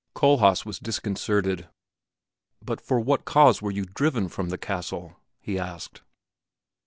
'" Kohlhaas was disconcerted. "But for what cause were you driven from the castle?" he asked.